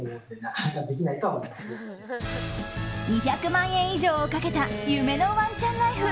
２００万円以上かけた夢のワンちゃんライフ。